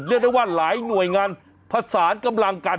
เรียกได้ว่าหลายหน่วยงานผสานกำลังกัน